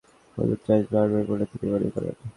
দাম বাড়তে থাকায় আগামী বছর হলুদ চাষ বাড়বে বলে তিনি মনে করেন।